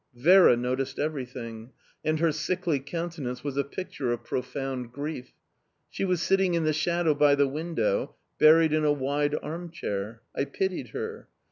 Vera noticed everything, and her sickly countenance was a picture of profound grief. She was sitting in the shadow by the window, buried in a wide arm chair... I pitied her.